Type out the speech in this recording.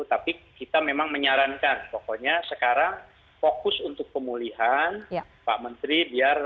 tapi kita memang menyarankan pokoknya sekarang fokus untuk pemulihan pak menteri biar